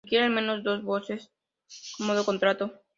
Requiere al menos dos voces en "modo contrario".